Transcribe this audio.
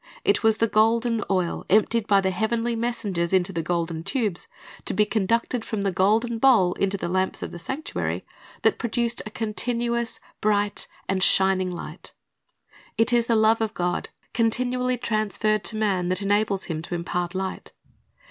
It was the golden oil emptied by the heavenly messengers into the golden tubes, to be conducted from the golden bowl into the lamps of the sanctuary, that "7"<? Meet the B ri dc gr o ovi'' 419 produced a continuous, bright and shining Hght. It is the love of God continually transferred to man that enables him to impart light.